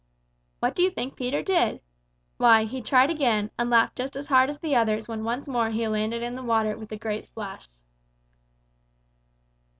What do you think Peter did? Why, he tried again, and laughed just as hard as the others when once more he landed in the water with a great splash.